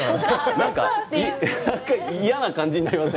なんか嫌な感じになりません？